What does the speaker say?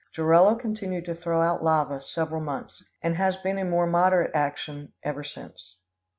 Jorullo continued to throw out lava several months, and has been in more moderate action ever since.